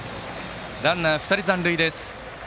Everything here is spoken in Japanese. ランナー２人残塁です。